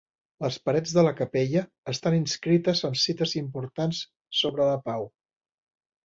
Les parets de la capella estan inscrites amb cites importants sobre la pau.